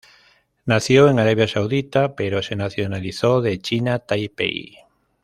Nació en Arabia Saudita pero se nacionalizó de China Taipei.